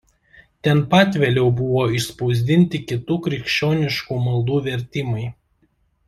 Ten pat vėliau buvo išspausdinti kitų krikščioniškų maldų vertimai.